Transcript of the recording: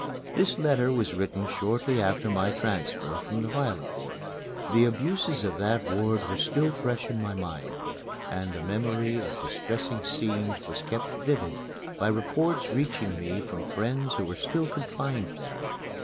This letter was written shortly after my transfer from the violent ward. The abuses of that ward were still fresh in my mind, and the memory of distressing scenes was kept vivid by reports reaching me from friends who were still confined there.